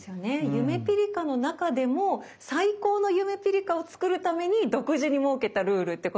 ゆめぴりかの中でも最高のゆめぴりかを作るために独自に設けたルールってことですよね。